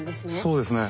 そうですね。